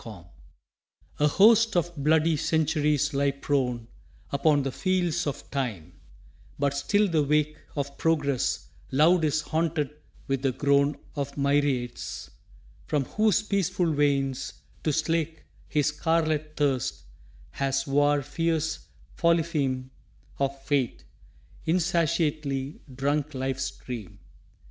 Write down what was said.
SLAVES A host of bloody centuries lie prone Upon the fields of Time but still the wake Of Progress loud is haunted with the groan Of myriads, from whose peaceful veins, to slake His scarlet thirst, has War, fierce Polypheme Of fate, insatiately drunk life's stream.